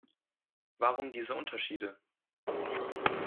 Warum diese Unterschiede?